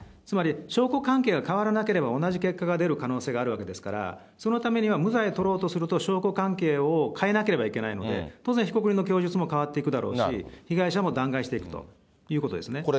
つまり、証拠関係が変わらなければ同じ結果が出る可能性があるわけですから、そのためには無罪を取ろうとすると証拠関係を変えなければいけないので、当然被告人の供述も変わっていくだろうし、被害者も弾劾していくということですね。